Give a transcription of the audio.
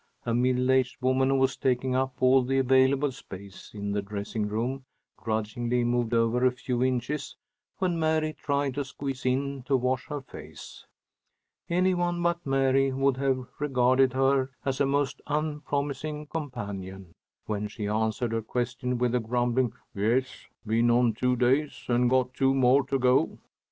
A middle aged woman, who was taking up all the available space in the dressing room, grudgingly moved over a few inches when Mary tried to squeeze in to wash her face. Any one but Mary would have regarded her as a most unpromising companion, when she answered her question with a grumbling "Yes, been on two days, and got two more to go."